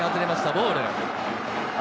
ボール。